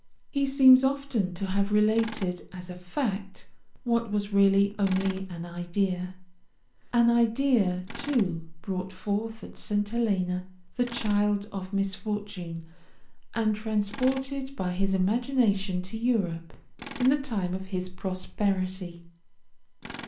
He seems often to have related as a fact what was really only an idea, an idea, too, brought forth at St. Helena, the child of misfortune, and transported by his imagination to Europe in the time of his prosperity.